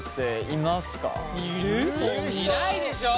いないでしょ？